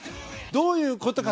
どういうことか？